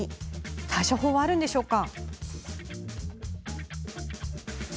対処法はあるんでしょうか。